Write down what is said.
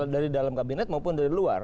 dari dalam kabinet maupun dari luar